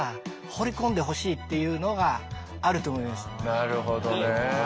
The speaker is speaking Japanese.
なるほどね。